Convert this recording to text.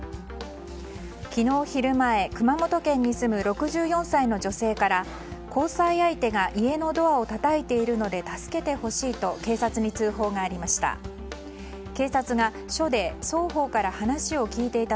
昨日昼前熊本県に住む６４歳の女性から交際相手が家のドアをたたいているので助けてほしいと警察に通報がありました。